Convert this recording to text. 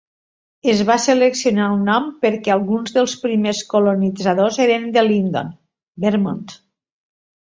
Es va seleccionar el nom perquè alguns dels primers colonitzadors eren de Lyndon, Vermont.